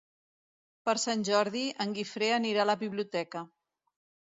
Per Sant Jordi en Guifré anirà a la biblioteca.